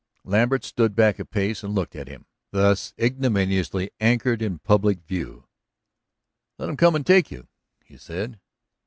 Lambert stood back a pace and looked at him, thus ignominiously anchored in public view. "Let 'em come and take you," he said.